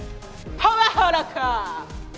パワハラか！